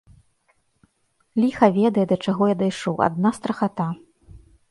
Ліха ведае, да чаго я дайшоў, адна страхата.